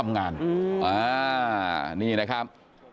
นี่นะครับ